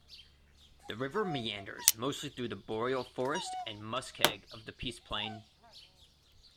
The river meanders mostly through the boreal forest and muskeg of the Peace Plain.